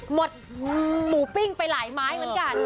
หมดหมูปิ้งไปหลายไม้เหมือนกัน